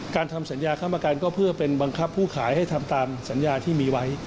การทำศัลยาคับประกาศก็เพื่อบังสับผู้ขายให้ทำตามสัญญาที่มีไว้